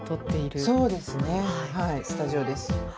スタジオです。